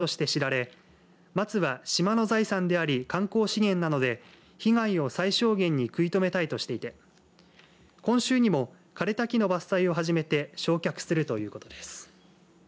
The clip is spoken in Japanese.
その上で久米島はリュウキュウマツがきれいな島として知られ松は島の財産であり観光資源なので被害を最小限に食い止めたいとしていて今週にも枯れた木の伐採を始めて焼却するということです。